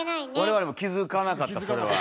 我々も気付かなかったそれは。